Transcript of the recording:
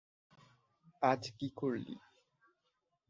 আজ কী করলি?